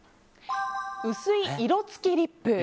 薄い色付きリップ。